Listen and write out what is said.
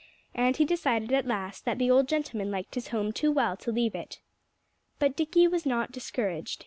And he decided at last that the old gentleman liked his home too well to leave it. But Dickie was not discouraged.